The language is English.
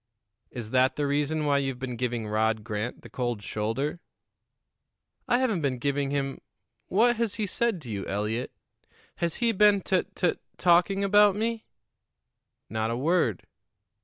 "Is that the reason why you've been giving Rod Grant the cold shoulder?" "I haven't been giving him What has he said to you, Eliot? Has he been tut tut talking about me?" "Not a word."